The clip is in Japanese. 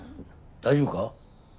大丈夫か？